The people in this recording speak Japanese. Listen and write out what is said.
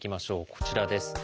こちらです。